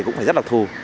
cũng phải rất là thù